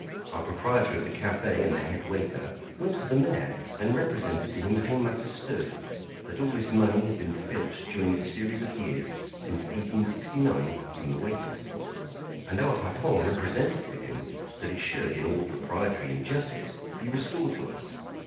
Our proprietor of the café and the head waiter went to the mayor and represented to him how matters stood that all this money had been filched during a series of years since 1869 from the waiters. And our patron represented to him that it should in all propriety and justice be restored to us.